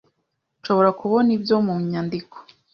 "Nshobora kubona ibyo mu nyandiko?"